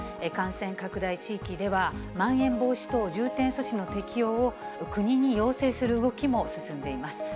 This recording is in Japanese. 感染拡大地域では、まん延防止等重点措置の適用を、国に要請する動きも進んでいます。